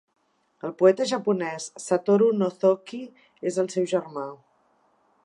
El poeta japonès Satoru Nozoki és el seu germà.